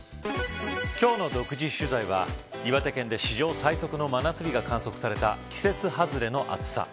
今日の独自取材は岩手県で史上最速の真夏日が観測された季節外れの暑さ。